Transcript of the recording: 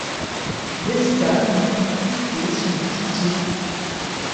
Vesta lui eût confié son tison.